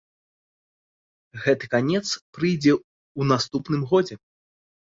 Гэты канец прыйдзе ў наступным годзе.